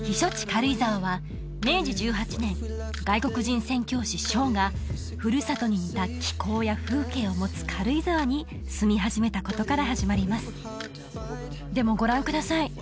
軽井沢は明治１８年外国人宣教師ショーがふるさとに似た気候や風景を持つ軽井沢に住み始めたことから始まりますでもご覧ください